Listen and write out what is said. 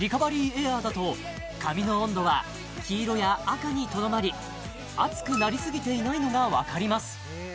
エアーだと髪の温度は黄色や赤にとどまり熱くなりすぎていないのが分かります